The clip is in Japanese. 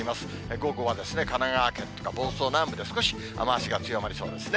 午後はですね、神奈川県とか房総南部で少し雨足が強まりそうですね。